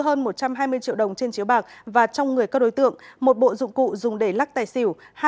tại hiện trường lực lượng công an thu giữ hơn một trăm hai mươi triệu đồng trên chiếu bạc và trong người các đối tượng một bộ dụng cụ dùng để lắc tài xỉu